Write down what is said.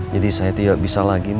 jadi saya tidak bisa lagi